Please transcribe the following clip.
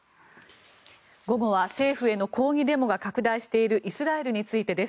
午後は政府への抗議デモが拡大しているイスラエルについてです。